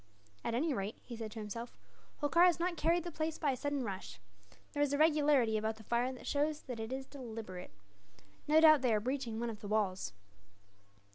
"At any rate," he said to himself, "Holkar has not carried the place by a sudden rush. There is a regularity about the fire that shows that it is deliberate. No doubt they are breaching one of the walls."